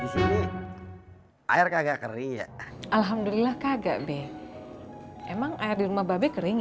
isu air kagak kering alhamdulillah kagak b memang air di rumah babi kering